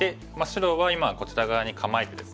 白は今こちら側に構えてですね。